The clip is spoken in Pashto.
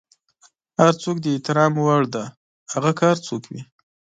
هر څوک د احترام وړ دی، هغه که هر څوک وي.